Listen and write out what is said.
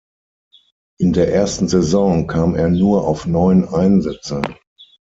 In der ersten Saison kam er nur auf neun Einsätze.